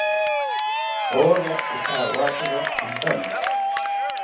Orya ijawatziro antamiki